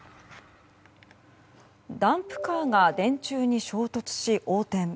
ダンプカーが電柱に衝突し、横転。